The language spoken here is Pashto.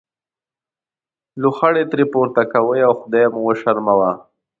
لوخړې ترې پورته کوئ او خدای مو وشرموه.